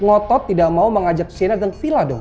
ngotot tidak mau mengajak siana datang ke vila dong